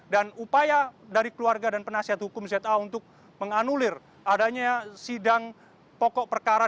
dan upaya dari keluarga dan penasihat hukum za untuk menganulir adanya sidang pokok perkara